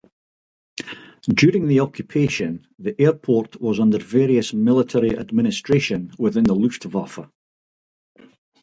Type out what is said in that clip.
During the occupation the airport was under various military administration within the Luftwaffe.